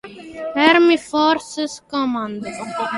Army Forces Command.